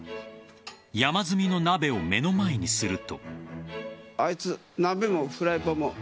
山積みの鍋を目の前にすると。